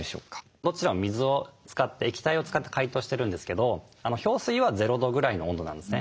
どちらも水を使って液体を使って解凍してるんですけど氷水は０度ぐらいの温度なんですね。